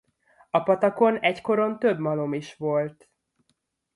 A patakon egykoron több malom is volt.